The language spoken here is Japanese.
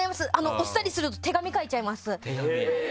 押したりすると手紙書いちゃいます。